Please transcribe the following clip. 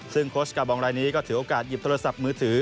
ซึ่งโค้ชกาบองรายนี้ก็ถือโอกาสหยิบโทรศัพท์มือถือ